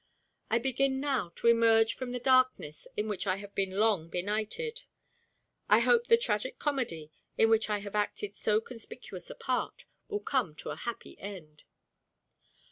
I begin now to emerge from the darkness in which I have been long benighted. I hope the tragic comedy, in which I have acted so conspicuous a part, will come to a happy end.